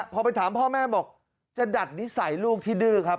พอไปถามพ่อแม่บอกจะดัดนิสัยลูกที่ดื้อครับ